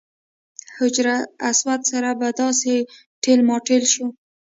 حجر اسود سره خو به داسې ټېل ماټېل شو.